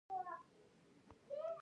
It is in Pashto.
آیا دوی د پایپ لاینونو څارنه نه کوي؟